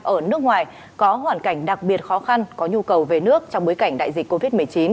ở nước ngoài có hoàn cảnh đặc biệt khó khăn có nhu cầu về nước trong bối cảnh đại dịch covid một mươi chín